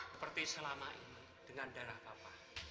seperti selama ini dengan darah papa